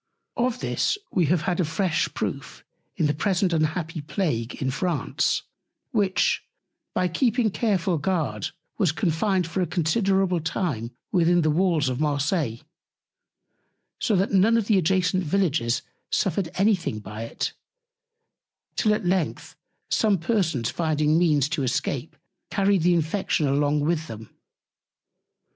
Of this we have had a fresh Proof in the present unhappy Plague in France, which, by keeping careful Guard, was confined for a considerable Time within the Walls of Marseilles; so that none of the adjacent Villages suffered any thing by it; till at length some Persons finding Means to escape carried the Infection along with them.